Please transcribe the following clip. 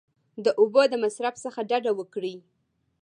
د اوبو د مصرف څخه ډډه وکړئ !